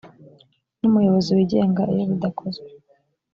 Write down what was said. n umuyobozi wigenga iyo bidakozwe